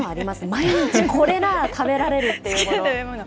毎日、これなら食べられるっていうもの。